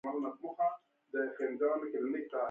د کندهار په ډنډ کې د څه شي نښې دي؟